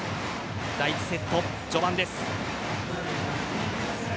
第１セット、序盤です。